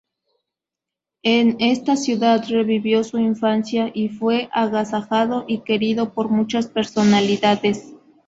En esta ciudad revivió su infancia y fue agasajado y querido por muchas personalidades.